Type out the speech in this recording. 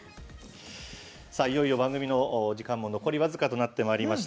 いよいよ、番組の時間も残り僅かとなってきました。